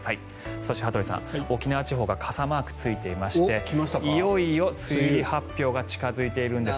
そして羽鳥さん、沖縄地方が傘マークついていましていよいよ梅雨入り発表が近付いているんです。